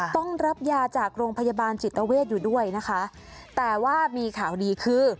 ต้องรับยาจากโรงพยาบาลจิตเวทอยู่ด้วยนะคะแต่ว่ามีข่าวดีคือ